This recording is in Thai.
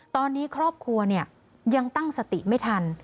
ตอนนี้ครอบครัวยังตั้งสติไม่ทัน